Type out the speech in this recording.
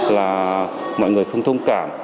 là mọi người không thông cảm